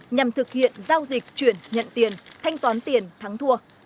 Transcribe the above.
nhằm thực hiện giao dịch chuyển nhận tiền thanh toán tiền thắng thua